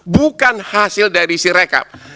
bukan hasil dari si rekap